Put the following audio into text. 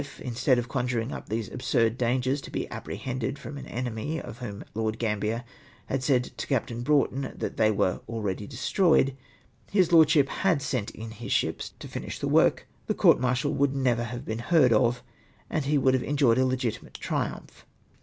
'' instead of conjuring up these absurd dangers to be apprehended fi^om an enemy of whom Lord Gambler had said to Captain Broughton, that they were " already destroyed,''' his Lordship had sent in ships to hnish the work, the court martial Avould never have been heard of, and he would have enjoyed a legitimate triumph.